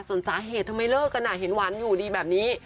ส่วนสาเหตุทำไมเลิกกันเห็นหวานอยู่ดีแบบนี้